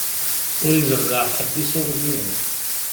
Ur izerreɛ ḥedd iṣuṛdiyen.